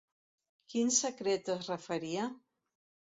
Quin secret es referia?